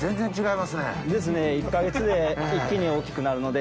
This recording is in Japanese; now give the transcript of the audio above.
１か月で一気に大きくなるので。